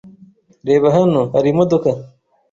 Reba! Hano hari imodoka.